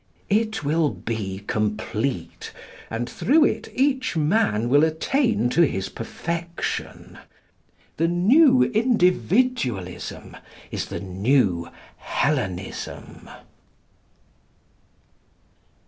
It will be complete, and through it each man will attain to his perfection. The new Individualism is the new Hellenism.